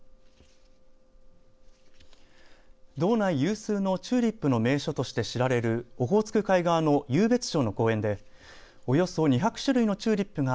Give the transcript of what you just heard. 道内有数のチューリップの名所として知られるオホーツク海側の湧別町の公園でおよそ２００種類のチューリップが